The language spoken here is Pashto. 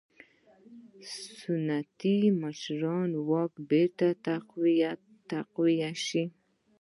سنتي مشرانو واک بېرته تقویه شو.